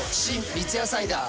三ツ矢サイダー』